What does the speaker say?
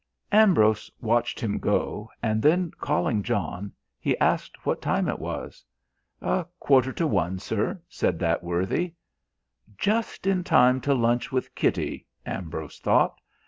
Ambrose watched him go and then calling John, he asked what time it was. "A quarter to one, sir," said that worthy. "Just in time to lunch with Kitty," Ambrose thought.